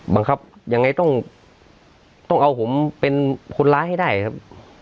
บังคับยังไงต้องต้องเอาผมเป็นคนร้ายให้ได้ครับ